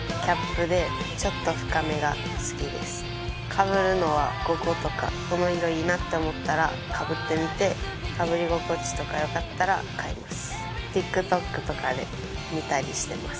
かぶるのは５個とかこの色いいなって思ったらかぶってみてかぶり心地とか良かったら買います。